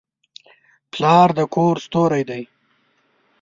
پلار د کور ستوری دی.